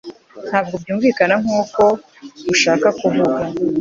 Ntabwo byunvikana nkuko ushaka kuvuga